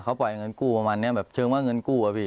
เขาปล่อยเงินกู้ประมาณนี้แบบเชิงว่าเงินกู้อะพี่